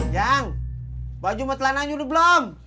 yang baju matilan aja udah belum